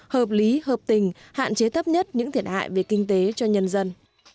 hợp lý hợp tình hạn chế thấp nhất những thiệt hại về kinh tế cho nhân dân